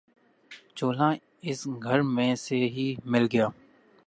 چولہا اس گھر میں سے ہی مل گیا